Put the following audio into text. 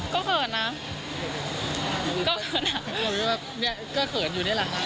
ก็เผินอะก็เผินน่ะ